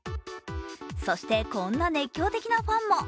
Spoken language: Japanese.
そして、こんな熱狂的なファンも。